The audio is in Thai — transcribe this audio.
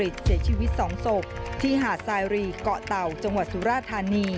สุดท้ายสุดท้ายสุดท้าย